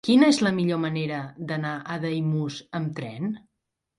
Quina és la millor manera d'anar a Daimús amb tren?